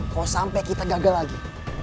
kalau sampai kita gagal lagi